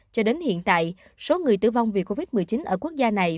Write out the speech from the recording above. cho đến hiện tại số người tử vong vì covid một mươi chín ở quốc gia này